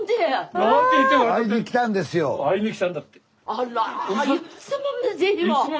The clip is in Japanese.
あら！